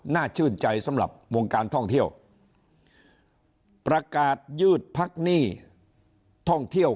น่าชื่นใจสำหรับวงการท่องเที่ยว